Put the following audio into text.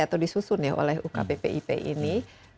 atau disusun ya oleh ukppip ini